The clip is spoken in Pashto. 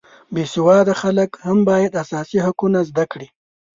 بې سواده خلک هم باید اساسي حقوق زده کړي